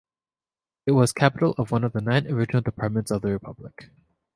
It was capital of one of the nine original departments of the Republic.